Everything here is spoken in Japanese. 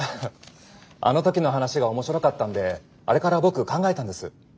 あの時の話が面白かったんであれから僕考えたんです。